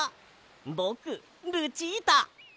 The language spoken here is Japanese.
ぼくルチータ！